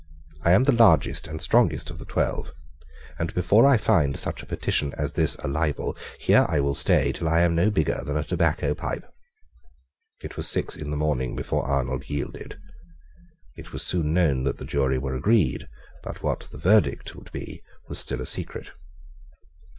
I am the largest and strongest of the twelve; and before I find such a petition as this a libel, here I will stay till I am no bigger than a tobacco pipe." It was six in the morning before Arnold yielded. It was soon known that the jury were agreed: but what the verdict would be was still a secret.